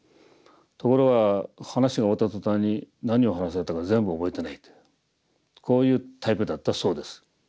ところが話が終わった途端に何を話されたか全部覚えてないというこういうタイプだったそうです。